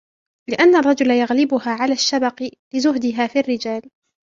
لِأَنَّ الرَّجُلَ يَغْلِبُهَا عَلَى الشَّبَقِ لِزُهْدِهَا فِي الرِّجَالِ